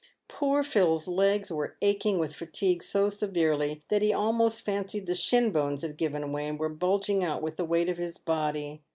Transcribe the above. Poor Phil's legs were aching with fatigue so severely, that he almost fancied the shin bones had given way, and w r ere bulging out with the weight of his body.